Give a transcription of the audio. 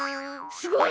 すごい！